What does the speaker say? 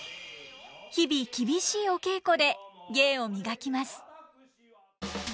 日々厳しいお稽古で芸を磨きます。